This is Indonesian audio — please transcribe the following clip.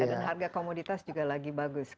harga komoditas juga lagi bagus